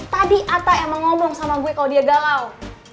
tadi atta emang ngomong sama gue kalau dia galau